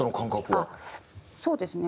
あっそうですね